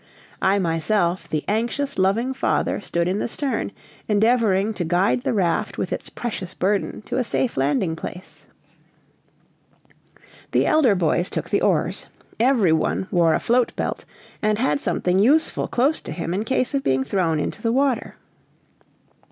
I myself, the anxious, loving father, stood in the stern, endeavoring to guide the raft with its precious burden to a safe landing place. The elder boys took the oars; every one wore a float belt, and had something useful close to him in case of being thrown into the water.